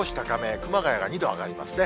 熊谷が２度上がりますね。